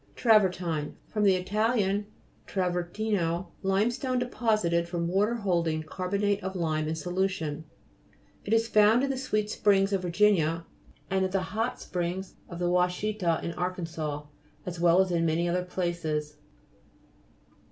TRA'VERTIN fr. it. travertino. Lime stone deposited from water holding carbonate of lime in solution. It is found in the sweet springs of Vir ginia, and at the hot springs of the Washita, in Arkansas, as well as in many other places.